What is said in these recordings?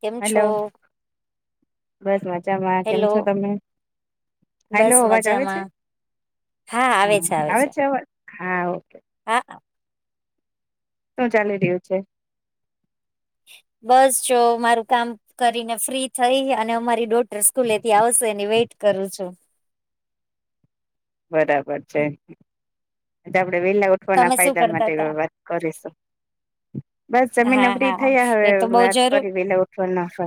કેમ હેલો છો? બસ મજામાં કેમ હેલો છો તમે? હેલો બસ અવાજ આવે છે મજામાં હ આવે છે. અવાજ હા ઓકે હા શું ચાલી રહ્યું છે? બસ જો મારું કામ કરીને ફ્રી થઈ અને અમારી ડો સ્કૂલેથી આવશે એની વેઇટ કરું છું બરાબર છે આપડે વેલા કો ના તમે શું ફાયદા કરતા માટે તા? વાત કરીશું બસ જમીન હા ભરી હા થયા એ હવે તો બઉ વાત જરૂર કરી એલે ઉઠવા નાફ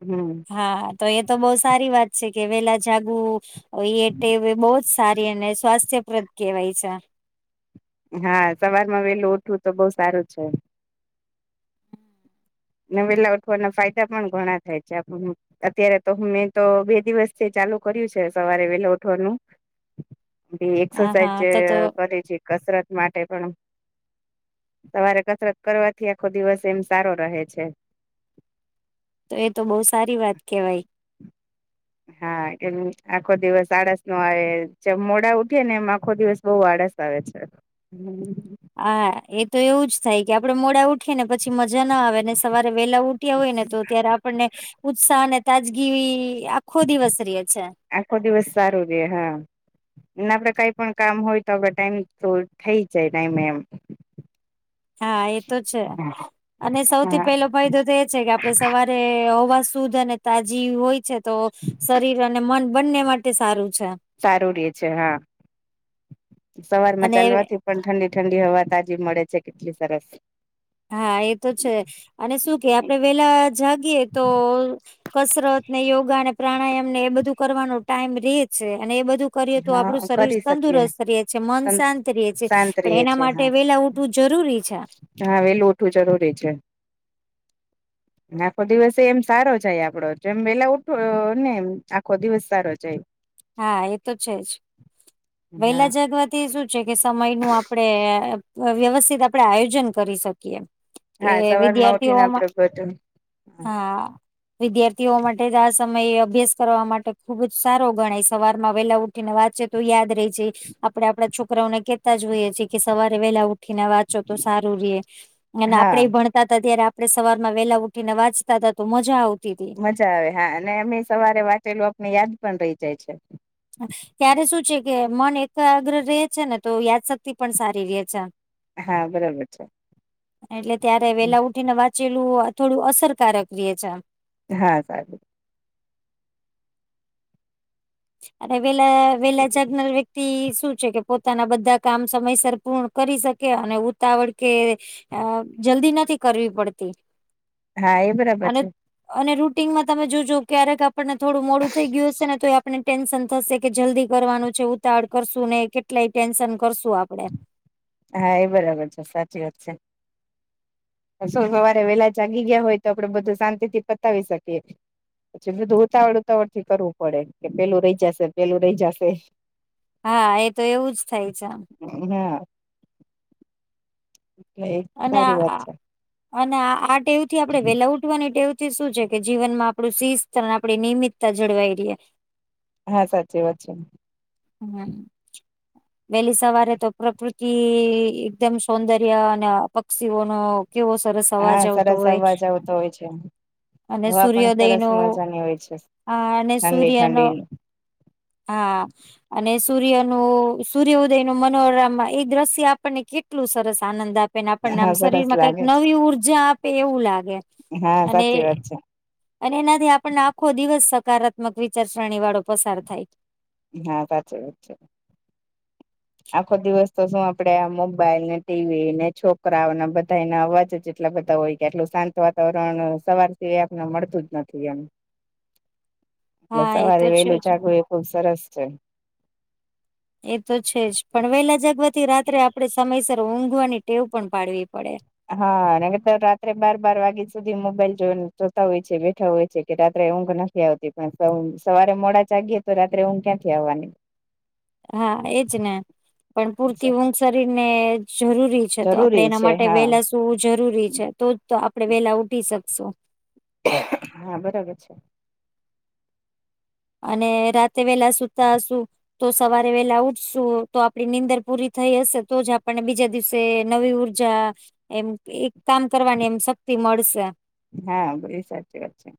હમ હા તો એ તો બઉુ સારી વાત છે કે વેલા જાગુ એ બહુ જ સારી અને સ્વાસ્થ્યપ્રદ કહેવાય છે હા સવારમાં વેલું ઉઠવું તો બહ સારું છે વેલા ઉઠવાના ફાયદા પણ ઘણા થાય છે આપ અત્યારે તો મેં તો બે દિવસથી ચાલુ કર્યું છે સવારે વેલા ઉઠવાનું બી હા એક્સરસાઇઝ હા તો તો કરે છે કસરત માટે પણ સવારે કસરત કરવાથી આખો દિવસ એમ સારો રહે છે તો એ તો બહુ સારી વાત કેવાય હા એમ આખો દિવસ આળસ નો આવે મોડા ઉઠી ને એમ આખો દિવસ બહ આળસ આવે છે હા એ તો એવું જ થાય કે આપડે મોડા ઉઠીએ ને પછી મજા ના આવેને સવારે વેલા ઉઠ હોય ને તો ત્યારે આપણને ઉત્સાહ અને તાજગી આખો દિવસ રે છે આખો દિવસ સારું છે હા એ આપડે કઈ પણ કામ હોય તો આપડ ટાઈમ તો થઈ જાય ટાઈમે એમ હા એ તો છે અને સૌથી હા. પેલો ફાયદો તો એ છે કે આપડે સવારે હવા શુદ્ધ અને તાજી હોય છે તો શરીર અને મન બંને માટે તે સારું છે સારું રે છે હા સવારમાં અને ચાલવાથી પણ ઠંડી ઠંડી હવા તાજી મળે છે કેટલી સરસ હા એ તો છે અને શું કે આપડે વેલા જાગીએ તો કસરત ને યોગા ને પ્રાણાયામ ને એ બધું કરવાનો ટાઈમ રે છે અને એ બધું કરીએ તો આપણું હા શરીર કરી શકીએ તંદુરસ્ત રહે છે મન શાંત ર છે શાંત રએ પણ એના છે માટે હા વેલા તું જરૂરી છ હા વેલુંઠવું જરૂરી છે આખો દિવસ એમ સારો જાય આપડો જેમ વેલા ઉઠો ને એમ આખો દિવસ સારો જાય હા એ તો છે જ હા વહેલા જાગવા તે શું છે કે સમય નું આપડણે વ્યવસ્થિત આપણેે આયોજન કરી શકીએ કે હા સવારમાં ઉઠીને આપડે વિદ્યાર્થીઓમાં બધું હા વિદ્યાર્થીઓ માટે જ આ સમયે અભ્યાસ કરવા માટે ખુબ જ સારો ગણાય સવારમાં વેલા ઉઠીને વાંચ તો યાદ રહી જાય આપણેે આપડા છોકરાઓને કે જો હોઈએી કે સવારે વેલા ઉઠીને વાંચો તો સારું રે અને હા આપણે ભણ હતા ત્યારે આપડણે સવારમાં વેલા ઉઠીને વાંચતા હતા તો મજા આવતી હતી મજા આવે હા અને અમે સવારે વાંચેલોું આપને યાદ પણ રહી જાય છે અ ત્યારે શું છે કે મન એકાગ્ર રહે છે ને તો યાદશક્તિ પણ સારી ર છે હા બરાબર છે એટલે ત્યારે વેલા ઉઠી ને વાંચેલું થોડું અસરકારક રે છે આમ હા સારું અરે વેલા વેલા જાગનાર વ્યક્તિ શું છે કે પોતાના બધા કામ સમયસર પૂર્ણ કરી શકે અને ઉતાવળ કે અ જલ્દી નથી કરવી પડતી હા એ બરાબર અને છે અને રૂટિનમાં તમે જોજો ક્યારેક આપણને થોડું મોડું થઈ ગયું હશે ને તો આપને ટેન્શન થશે કે જલ્દી કરવાનું છે ઉતાવળ કરશું ને કેટલાય ટેન્શન કરશું આપડે હા એ બરાબર છે સાચી વાત છે સો સવારે વેલા જાગી ગયા હોય તો આપડે બધું શાંતિ થી પતાવી શકીએ. પછી બધું ઉતાવળ ઉતાવળ થી કરવું પડે કે પેલું રહી જશે પેલું રહી જશે. હા એ તો એવું જ થાય છે આમ. ના. એટલે અને સારી વાત છે અને આ ટેવથી આપડે વેલાઉડ. એવથી શું છે કે જીવનમાં આપડું શિસ્ત આપણી નિયમિતતા જળવાઈ રએ. હા સાચી વાત છે. હમ. વહેલી સવારે તો પ્રકૃતિ એકદમ સૌંદર્ય. પક્ષીઓ નો કેવો સરસ. અવાજ હા આવતો સરસ હોય અવાજ આવતો હોય છે. અને હવા પણ સૂર્યોદય સરસ ન મજાની હોય છે આ અને ઠંડી સૂર્ય ન. ઠંડી હા. અને સૂર્યનું સૂર્ય ઉદય નું મનોરમ એ દ્રશ્ય આપણને કેટલું સરસ આનંદ આપે આપને આપણને હા આમ શરીર સરસ માં કઈક લાગે નવી ઉર્જા આપે એવું લાગે છે હા અને સાચી વાત છે અને એનાથી આપણને આખો દિવસ સકારાત્મક વિચારસરણી વાળો પસાર થાય હા સાચખ વાત છે. આખો દિવસ તો શું આપડે આ મોબાઈલ ને ટીવી ને છોકરાઓને બધા એને અવાજ જ. એટલા બધા હોય કે આટલું શાંત વાતાવરણ સવાર સિવાય આપને મળતું જ નથી એમ એટલે હા એ તો સવારે છે વહેલું જ જાગવુ એ ખુબ સરસ છે. એ તો છે જ પણ વહેલા જાગવાથી રાત્રે આપડે સમયસર ઊંઘવાની ટેવ પણ પાડવી પડે હા અને રાત્રે બાર બાર વાગ્યા સુધી મોબાઈલ જો જોતા હોય છે બેઠા હોય છે કે રાત્રે ઊંઘ ના આવતી પણ સવારે મોડા ચાગીએ તો રાત્રે હું ક્યાંથી આવવાની હા એજ ને પણ પૂરતી ઊંઘ શરીર ને જરૂરી તો આપડે જરૂરી એના છે માટે હા વેલા સુવું જરૂરી છે તો જ તો આપડે વેલા ઉઠી શકશું હા બરાબર છે. અને રાતે વેલા સુતા શું તો સવારે વેલા ઉઠશું તો આપડી નીંદર પૂરી થઈ હશે તો જ આપને બીજા દિવસે નવી ઉર્ જ એમ એક કામ કરવાની એમ શક્તિ મળશે હા બી સાાચી વાત છે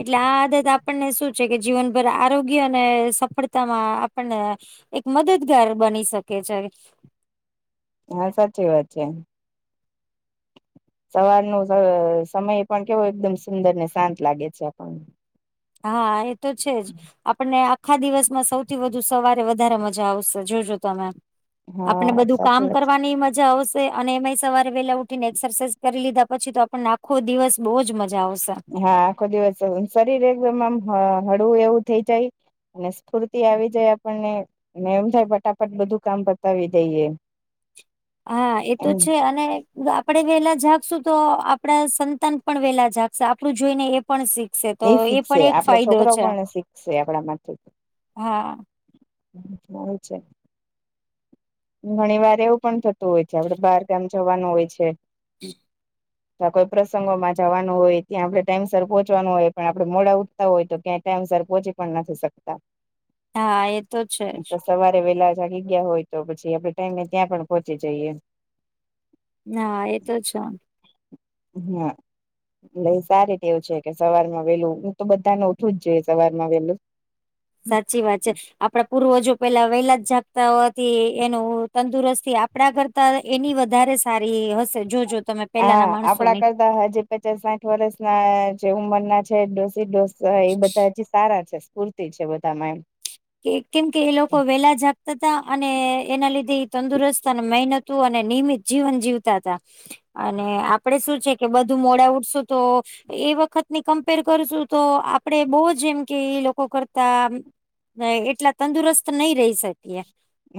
એટલે આ આદત આપણને શું છે કે જીવનભર આરોગ્ય અને સફળતામાં આપણને. એક મદદગાર બની શકે છે. હા સાચી વાત છે. સવાર નો સમય પણ કેવો એકદમ સુંદર ને શાંત લાગે છે આપણને. હા એ તો છે જ આપણને આખા દિવસમાં સૌથી વધુ સવારે વધારે મજા આવશે જોજો તમે આપણે હા બધું સાચી કામ વાત છે. કરવાની મજા આવશે અને એમાંય સવારે પેલા ઉઠીને એક્સરસાાઈઝ કરી લીધા પછી તો આપણને આખો દિવસ બહુજ મજા આવશે હા આખો દિવસ શરીર એકદમ આમ હળવું એવું થઇ જાય અને સ્ફૂર્તિ આવી જાય આપણને એમ થાય ફટાફટ બધું કામ બતાવી દઈએ. [inaudible] હા એ તો એમ છે અને આપણે વેલા જાગશું તો આપણા સંતાન પણ વેલા જાગશે આપડું જોઈને એ પણ શીખશે તો એ શીખશે પણ એક આપડા ફાયદો છોકરાઓ છે પણ શીખશે આપડા હા છે ઘણી વાર એવું પણ થતું હોય છે આપડે બાર ગામ જવાનું હોય છે હ [inaudible] ત કોઈ પ્રસંગોમાં જવાનું હોય ત્યાં આપડે ટાઈમસર પહોંચ હોય પણ આપે મોડા ઉઠતા હોય તો ક્યા ટાઈમસર પહોંચી પણ નથી શકતા હા એ તો છે જ તો સવારે વેલા જાગી ગયા હોય તો પછી આપડે ટાઈમને ત્યાં પણ પહોંચી જઈએ હા એ તો છે હા લાઈ સારીતેવું છે કે સવાર માં વેલું હું તો બધાને ઉઠવું જ જોઈએ સવાર માં વેલું. સાચી વાત છે આપડા પૂર્વજો પેલા વહેલા જ જપતા હોથી એનું તંદુરસ્ત થી આપડા કરતા એની વધારે સારી હશે જોજો તમે. પેલાના હા આપડા માણસોની. કરતા હજી પચાસ સાઠ વર્ષ ના જે ઉંમર ના છે ડોસી ડોસી હ એ બધા હજી સારા છે સ્ફૂર્તિ છે બધામાં એમ. કે કેમ કે એ લોકો વેલા જાગતા હતા અને એના લીધે એ તંદુરસ્ત અને મહેનત તું અને નિયમિત જીવન જીવતા હતા. અને આપડે શું છે કે બધું મોડા ઉઠશું તો એ વખતની કમ્પેર કરશું તો આપડે બહુ જેમ કે એ લોકો કરતા ન એટલા તંદુરસ્ત નહી રહી શકીએ.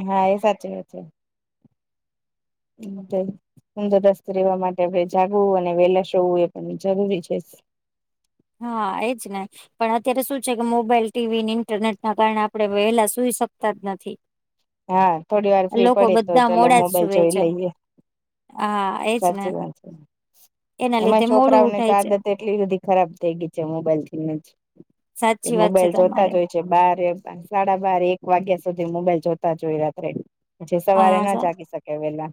હા એ સાચી વાત છે. તંદુરસ્ત રહેેવા માટે આપણે જાગવું અને વેલા સોવું એ પણ જરૂરી છે. હા એજ ને. પણ અત્યારે શું છે કે મોબાઈલ ટીવી ઇન્ટરનેટ ના કારણે આપડણે વહેલા સુઈ શકતા જ નથી. હા થોડી વાર ફ્રી લોકો પડીે તો બધા ચલો મોડા જ મોબાઈલ સુવે જોઈ છે લઈએ. હા એજ ને સાચી વાત છે. એના એમાં લીધે મોડું છોકરાઓની તો ઉઠાય છે. આદત એટલી બધી ખરાબ થઈ ગઈ છે મોબાઈલ થી જ એ સાચી વાત છે મોબાઈલ જોતા તમારે જ હોય બ સાડા બારે એક વાગ્યા સુધી મોબાઈલ જોતા જોઈ રાત્રે. જે સવારે હા ના સા જાગી શકે વેલા.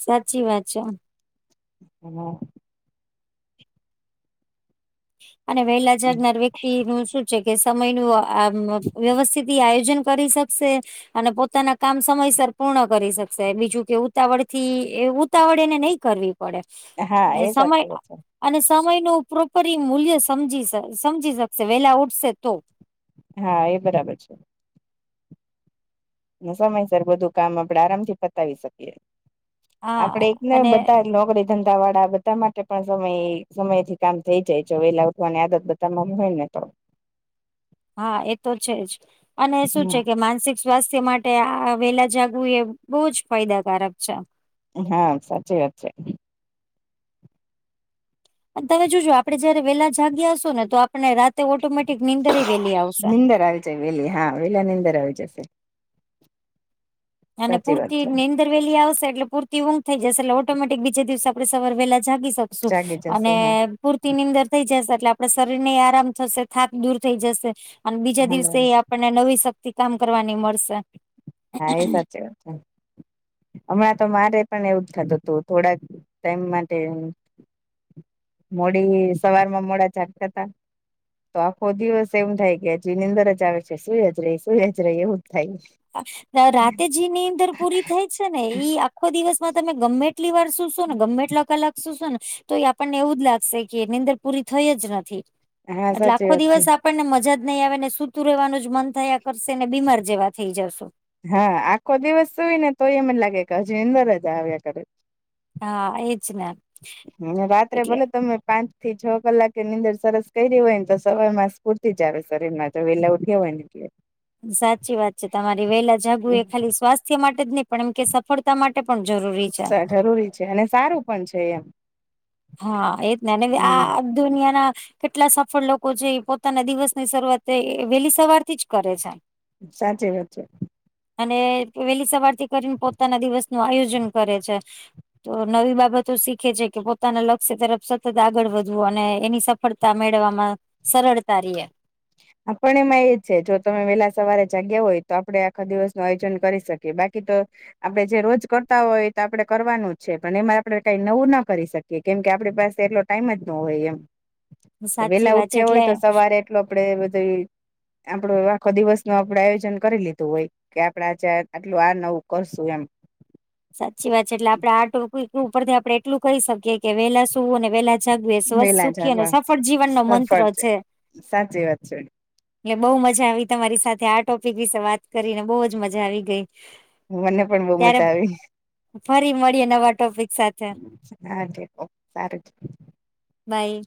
સાચી વાત છે. હમ. અને વહેલા જાગનાર વ્યક્તિ નું શું કે સમય ન વ્યવસ્થિત આયોજન કરી શકશે. અને પોતાના કામ સમયસર પૂર્ણ કરી શકશે બીજું કે ઉતાવળ થી ઉતાવળ એને નહી કરવી. પડે હા અને એ સમય સાચી વાત છે અને સમય ન પ્રોપરી મૂલ્ય સમજી સમજી શકશે વેલા ઉઠશે તો. હા એ બરાબર છે. સમયસર બધું કામ આપડે આરામથી પતાવી શકીએ આપડે હા એક ને અને બધા નોકરી ધંધા વાળા બધા માટે પણ સમય સમય થી કામ થઈ જાય છે વેલા ઉઠવાની આદત હોય ને તો. હા એ તો છે જ અને શું છે કે માનસિક સ્વાસ્થ્ય માટે આ વેલા જાગવું એ બહુ જ ફાયદાકારક છે. હા સાચી વાત છે. તમે જોજો આપડે જયારે વેલા જાગીશો ને તો આપણે રાતે ઓટોમેટિક નીંદર વેલી આવશે. નીંદર આવી વેલી હા વેલા ની અંદર આવી જશે. અને સાચી વાત પૂર્તિ છે નિ વેલી આવશે એટલેૂર ઊંઘ થઈ જશે એટ ઓટોમેટિક બીજ દિવસે આપણે સવાર વેલા જાગીસુ. શકું જાગી જશો અને હા ફૂર્તિ ની અંદર થઈ જશે એટલે આપડે શરીર ને આરામ થશે થાક દૂર થઈ જશે. અને બીજા હા દિવસે આપણને નવી શક્તિ કામ કરવાની મળશે. હા એ સાચી વાત છે હમણાં તો મારે પણ એવું જ થતું હતું થોડાક ટાઈમ માટે મોડી સવાર માં મોડા જાગતતા. તો આખો દિવસ એમ થાય કે હજુની અંદર જ આવે છે સુઈજ ર સુઈજ ર એવું જ થાય. રાતે જે નીમંદર પૂરી થાય છે ને ઈ આખો દિવસમાં તમે ગમે કેટલી વાર શુંશો ને ગમે એટલા કલાક શુંશો ને તો આપણને એવું જ લાગશે કે નિંદર પૂરી થઈ જ નથી હા એટલે સાચી આખો વાત દિવસ છે આપણને મજા જ નહી આવે ને સૂતું રહેવાનું જ મન થયા કરશે ને બીમાર જેવા થઈ જશો. હા આખો દિવસ સુય ને તો એમને લાગે કે હજી અંદર જ આવ્યા કરે. હા એજનામ રાત્રે ભલે તમે પાંચ થી છ કલાકેની અંદર સરસ કરી હોય ને તો સવાર માં સ્કૂરતી જ આવે શરીર માં તો વેલા ઉઠે હોય ને એટલે સાચી વાત છે તમારી વહેલા જાગુ એ ખાલી સ્વાસ્થ્ય માટે જ નહી પણ એમ કે ફડતા માટે પણ જરૂરી છે જરૂરી અને સારું પણ છે એમ હા એ જ ના હમ આ દુનિયા ના કેટલા સફળ લોકો છે પોતાના દિવસ ની શરૂઆત વહેલી સવાર થી જ કરે છે સાચી વાત છે અને વહેલી સવારથી કરીને પોતાના દિવસ નું આયોજન કરે છે તો નવી બાબતો શીખે છે કે પોતાના લક્ષ્ય તરફ સતત આગળ વધવું અને એની સફળતા મેળવવામાં સરળતા રએ આપણ એમાં એ છે જો તમે વહેલા સવારે જાગ્યા હોય તો આપડે આખા દિવસ નું આયોજન કરી શકીએ બાકી તો આપડણે જે રોજ કરતા હોય તો આપડે કરવાનું જ છે પણ એમાં આપડે કઈ નવું ના કરી શકીએ કે કેમ કે આપડી પાસે એટલો ટાઈમ જ ન હોય એમ સાચી વેલા વાત છે ઉઠ્યા હોય એટલે તો સવારે એટલો આપડે બધું આપડો આખો દિવસ નું આપડ આયોજન કરી લીધું હોય કે આપડજ આટલું આ નવું કરશું એમ સાચી વાત છે એટલે આપડે આ ટ ઉપરથી આપડણે એટલું કહી શકીએ કે વેહલા શું અને વેહલા જગવે સ્વ વેલા સુખી અને જાગવા સફળ જીવન નો મંત્ર છે સાચી વાત છે એટલે બહુ મજા આવી તમારી સાથે આ ટોપિક વિશે વાત કરીને બહુજ મજા આવી ગઈ મને પણ બહુ ત્યારે મજા આવી ફરી મળીએ નવા ટોપિક સાથે હા દેખો સારું બાય